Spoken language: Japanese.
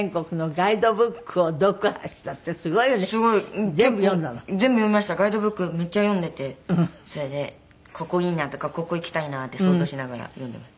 ガイドブックめっちゃ読んでいてそれでここいいなとかここ行きたいなって想像しながら読んでいます。